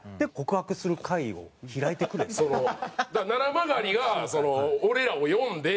「ななまがりが俺らを呼んで」